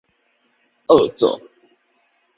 僫做